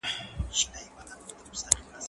زه مخکې اوبه څښلې وې؟